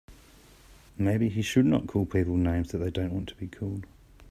Maybe he should not call people names that they don't want to be called.